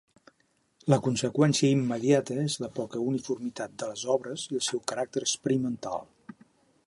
La conseqüència immediata és la poca uniformitat de les obres i el seu caràcter experimental.